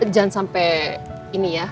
jangan sampai ini ya